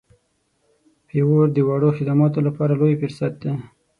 فیور د وړو خدماتو لپاره لوی فرصت دی.